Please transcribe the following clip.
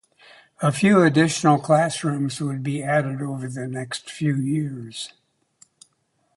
A few additional classrooms would be added over the next few years.